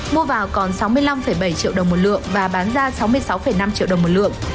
mua vào còn sáu mươi năm bảy triệu đồng một lượng và bán ra sáu mươi sáu năm triệu đồng một lượng